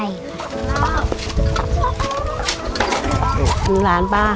พี่น้องของหนูก็ช่วยย่าทำงานค่ะ